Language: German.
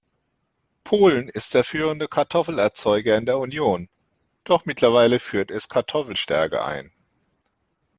Polen ist der führende Kartoffelerzeuger in der Union, doch mittlerweile führt es Kartoffelstärke ein.